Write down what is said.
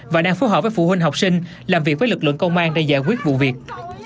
và đang phối hợp với phụ huynh học sinh làm việc với lực lượng công an để giải quyết vụ việc